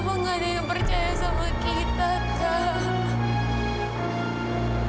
tak ada yang percaya pada kita kak